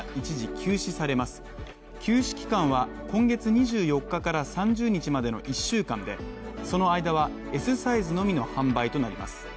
休止期間は今月２４日から３０日までの１週間で、その間はＳサイズのみの販売となります。